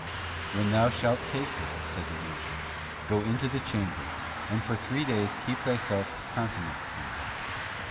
'When thou shalt take her,' said the angel, 'go into the chamber, and for three days keep thyself con tinent from her.